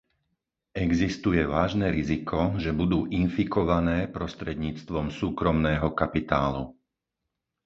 Existuje vážne riziko, že budú infikované prostredníctvom súkromného kapitálu.